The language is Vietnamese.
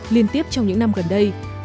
liên tiếp trong những năm gần đây